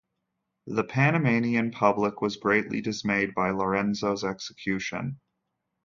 The Panamanian public was greatly dismayed by Lorenzo's execution.